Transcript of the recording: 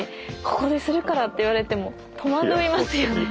ここでするからって言われても戸惑いますよね。